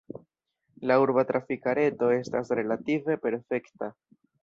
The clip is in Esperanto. La urba trafika reto estas relative perfekta.